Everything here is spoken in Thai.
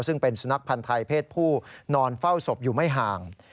ซึ่งเป็นสุนัขพันธ์ไทยเพศผู้นอนเฝ้าศพอยู่ไม่ห่าง